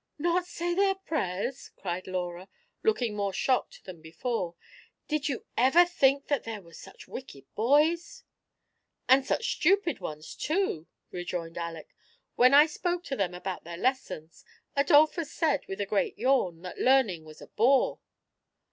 " Not say their prayers !" cried Laura, looking more shocked than before; "did you ever think that there were such wicked boys ?"" And such stupid ones too," rejoined Aleck. " When I spoke to them about their lessons, Adolphus said, with a great yawn, that learning was a bore."